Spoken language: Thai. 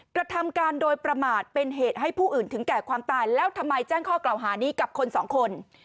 กระทำการโดยประมาทเป็นเหตุให้ผู้อื่นถึงแก่ความตายแล้วทำไมแจ้งข้อกล่าวหานี้กับคนสองคน